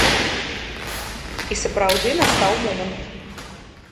І сапраўды настаў момант.